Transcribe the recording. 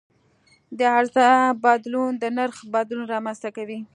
د عرضه بدلون د نرخ بدلون رامنځته کوي.